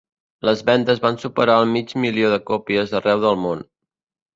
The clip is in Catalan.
Les vendes van superar el mig milió de còpies arreu del món.